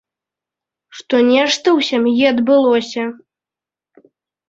Што нешта ў сям'і адбылося.